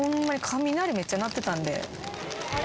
雷めっちゃ鳴ってたんで。